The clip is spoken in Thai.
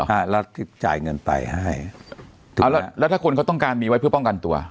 ฮะแล้วจ่ายเงินไปให้เอาแล้วแล้วถ้าคนเขาต้องการมีไว้เพื่อป้องกันตัว